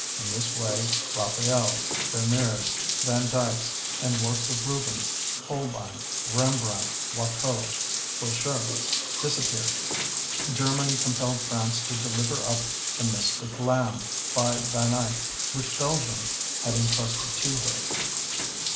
In this way Raphaels, Vermeers, Van Dycks, and works of Rubens, Holbein, Rembrandt, Watteau, Boucher disappeared. Germany compelled France to deliver up "The Mystic Lamb" by Van Eyck, which Belgium had entrusted to her.